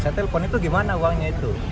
saya telepon itu gimana uangnya itu